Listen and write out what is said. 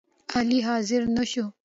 علي حاضر نشو